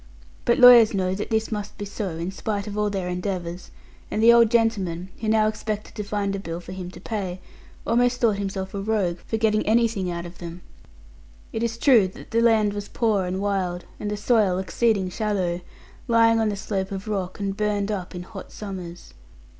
But lawyers know that this must be so, in spite of all their endeavours; and the old gentleman, who now expected to find a bill for him to pay, almost thought himself a rogue, for getting anything out of them. It is true that the land was poor and wild, and the soil exceeding shallow; lying on the slope of rock, and burned up in hot summers.